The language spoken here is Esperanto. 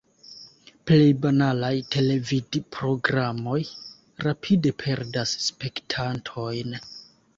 Plej banalaj televidprogramoj rapide perdas spektantojn.